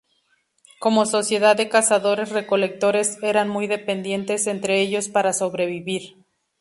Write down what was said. Como sociedad de cazadores-recolectores, eran muy dependientes entre ellos para sobrevivir.